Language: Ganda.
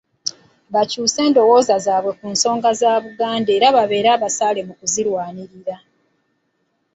Bakyuse endowooza zaabwe ku nsonga za Buganda era babeere abasaale mu kuzirwanirira.